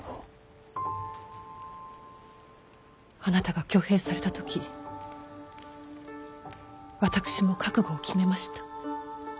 あなたが挙兵された時私も覚悟を決めました。